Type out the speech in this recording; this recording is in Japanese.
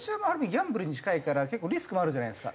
ギャンブルに近いから結構リスクもあるじゃないですか。